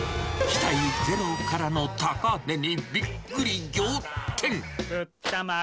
期待ゼロからの高値にびっくり仰天。